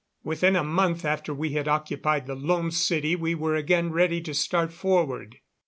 Within a month after we had occupied the Lone City we were again ready to start forward.